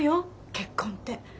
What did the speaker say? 結婚って。